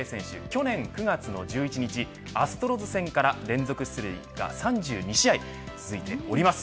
去年９月の１１日アストロズ戦から連続出塁が３２試合続いております。